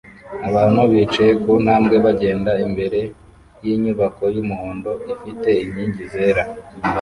Abantu bicaye ku ntambwe bagenda imbere yinyubako yumuhondo ifite inkingi zera